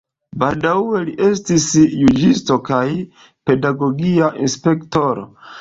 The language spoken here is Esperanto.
Baldaŭe li estis juĝisto kaj pedagogia inspektoro.